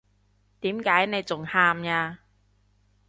點解你仲喊呀？